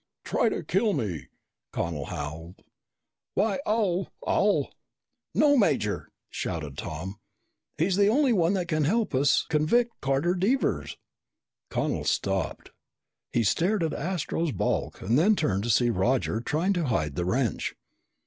"Try to kill me!" Connel howled. "Why, I'll I'll " "No, Major!" shouted Tom. "He's the only one that can help us convict Carter Devers!" Connel stopped. He stared at Astro's bulk and then turned to see Roger trying to hide the wrench.